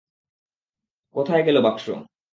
কোথায় গেল বাক্স?